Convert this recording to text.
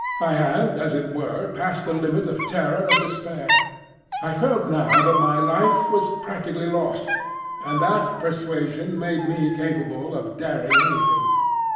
I had, as it were, passed the limit of terror and despair. I felt now that my life was practically lost, and that persuasion made me capable of daring anything.